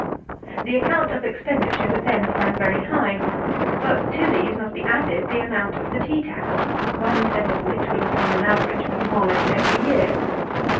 The account of expenditure would then stand very high; but to these must be added the amount of the tea tackle, one set of which will, upon an average, be demolished every year.